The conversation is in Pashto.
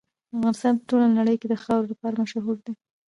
افغانستان په ټوله نړۍ کې د خاورې لپاره مشهور دی.